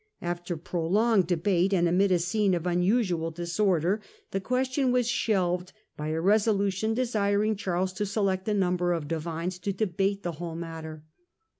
After prolonged debate, and amid a scene of unusual disorder, the question was shelved by a reso lution desiring Charles to select a number of divines to debate the whole matter.